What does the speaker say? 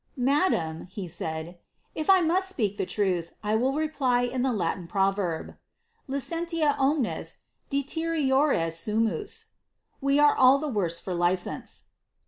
^ Madam," he said, ^ if I must ipetk the truth, 1 will reply in the Latin proverb, —^ Licentia omnes de WtionB sumus' — we are all the worse for license."